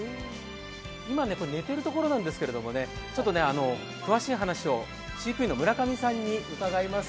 今、寝てるところなんですけど、詳しい話を飼育員の村上さんに伺います。